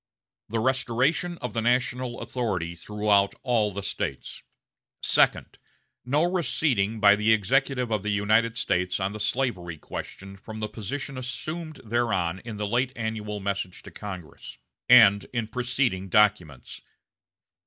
The restoration of the national authority throughout all the States. Second. No receding by the Executive of the United States on the slavery question from the position assumed thereon in the late annual message to Congress, and in preceding documents.